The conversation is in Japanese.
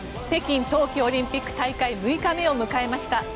北京冬季オリンピック大会６日目を迎えました。